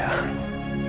kamu kenapa nangis